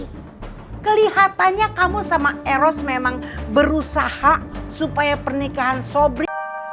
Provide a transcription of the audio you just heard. tapi kelihatannya kamu sama eros memang berusaha supaya pernikahan sobri